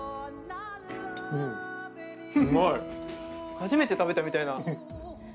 初めて食べたみたいな。